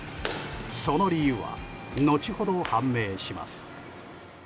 その理由は後ほど判明します。